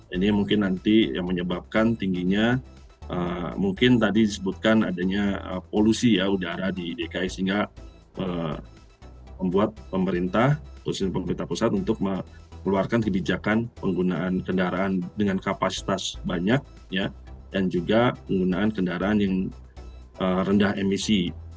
ini mungkin nanti yang menyebabkan tingginya mungkin tadi disebutkan adanya polusi udara di dki sehingga membuat pemerintah posisi pemerintah pusat untuk mengeluarkan kebijakan penggunaan kendaraan dengan kapasitas banyak dan juga penggunaan kendaraan yang rendah emisi